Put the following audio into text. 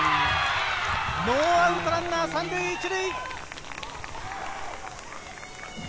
ノーアウトランナー３塁１塁。